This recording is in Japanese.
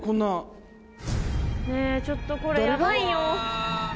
ねえちょっとこれヤバいよ